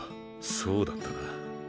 そうだったな。